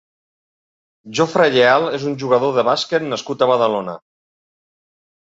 Joffre Lleal és un jugador de bàsquet nascut a Badalona.